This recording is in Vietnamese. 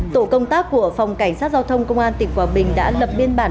tổ công tác của phòng cảnh sát giao thông công an tỉnh quảng bình đã lập biên bản